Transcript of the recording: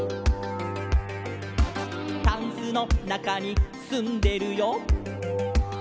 「タンスのなかにすんでるよ」